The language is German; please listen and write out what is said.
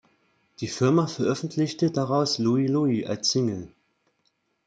Die Firma veröffentlichte daraus "Louie Louie" als Single.